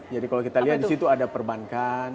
jadi kalau kita lihat di situ ada perbankan